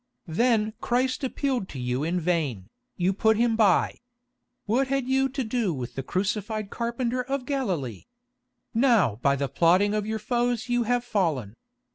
Then Christ appealed to you in vain, you put Him by. What had you to do with the crucified carpenter of Galilee? Now by the plotting of your foes you have fallen.